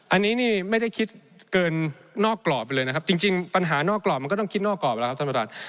อันนี้นี่ไม่ได้คิดเกินนอกกรอบไปเลยนะครับจริงปัญหานอกกรอบมันก็ต้องคิดนอกกรอบแล้วครับท่านประธาน